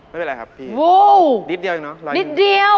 ไม่เป็นไรครับพี่รอยนึงแต่ก็๑๐๐นิดหนึ่งโอ้โฮนิดเดียว